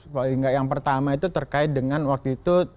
paling nggak yang pertama itu terkait dengan waktu itu